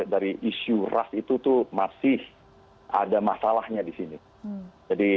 dari isu ras itu tuh masih ada masalahnya di sini